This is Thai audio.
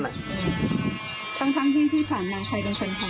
ตั้งทั้งที่พี่ผ่านมาใครตั้งทั้งทั้ง